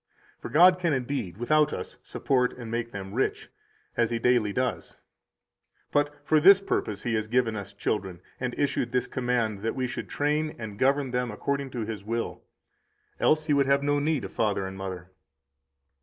For God can indeed without us support and make them rich, as He daily does. But for this purpose He has given us children, and issued this command that we should train and govern them according to His will, else He would have no need of father and mother.